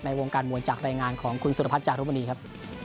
วงการมวยจากรายงานของคุณสุรพัฒนจารุมณีครับ